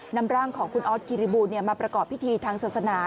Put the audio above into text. นำร่างของคุณออสกิริบูลมาประกอบพิธีทางศาสนา